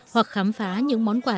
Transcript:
hoặc khám phá những món quà